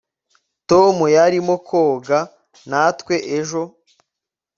tom yarimo koga natwe ejo